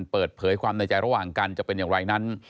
เปิดเผยความในใจระหว่างกันจะเป็นอย่างไรนั้น